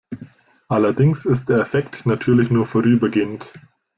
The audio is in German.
Allerdings ist der Effekt natürlich nur vorübergehend.